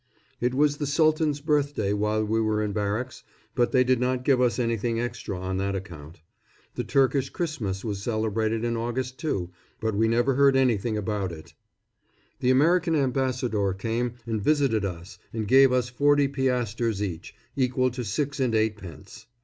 It was the Sultan's birthday while we were in barracks, but they did not give us anything extra on that account. The Turkish Christmas was celebrated in August, too, but we never heard anything about it. The American Ambassador came and visited us and gave us forty piastres each, equal to six and eightpence.